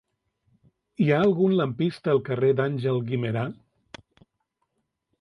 Hi ha algun lampista al carrer d'Àngel Guimerà?